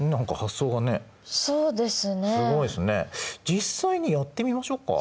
実際にやってみましょうか。